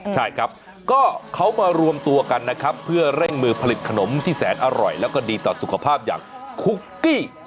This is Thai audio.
ใช่ครับก็เขามารวมตัวกันนะครับเพื่อเร่งมือผลิตขนมที่แสนอร่อยแล้วก็ดีต่อสุขภาพอย่างคุกกี้